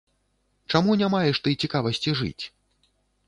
Чаму не маеш ты цікавасці жыць?